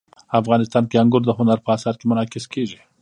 افغانستان کې انګور د هنر په اثار کې منعکس کېږي.